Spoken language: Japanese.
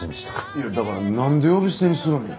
いやだからなんで呼び捨てにするんや？